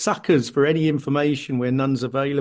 jadi kita berpengaruh untuk informasi di mana tidak ada